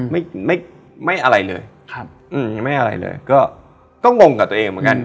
ไม่ไม่อะไรเลยครับอืมยังไม่อะไรเลยก็ก็งงกับตัวเองเหมือนกัน